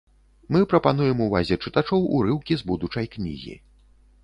Мы прапануем увазе чытачоў урыўкі з будучай кнігі.